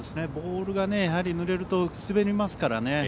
ボールがぬれるとやはり滑りますからね。